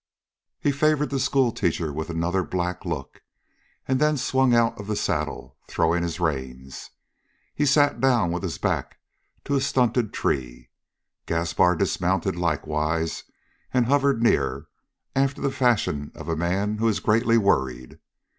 He favored the schoolteacher with another black look and then swung out of the saddle, throwing his reins. He sat down with his back to a stunted tree. Gaspar dismounted likewise and hovered near, after the fashion of a man who is greatly worried.